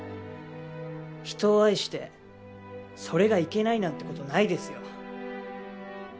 人を愛してそれがいけないなんてことないですよ。